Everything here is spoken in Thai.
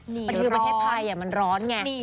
หมดถึงเมืองไทยมันร้อนไง